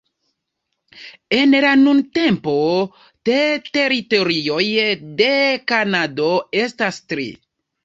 En la nuntempo, te teritorioj de Kanado estas tri.